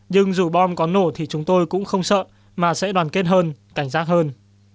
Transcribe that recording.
nhưng dù bom có nổ thì chúng tôi cũng không sợ mà sẽ đoàn kết hơn cảnh giác hơn